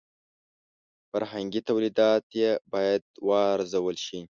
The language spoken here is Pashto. فرهنګي تولیدات یې باید وارزول شي.